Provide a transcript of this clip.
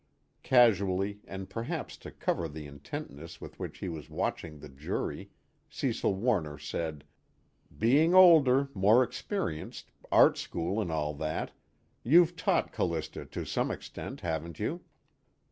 Casually, and perhaps to cover the intentness with which he was watching the jury, Cecil Warner said: "Being older, more experienced, art school and all that, you've taught Callista to some extent, haven't you?"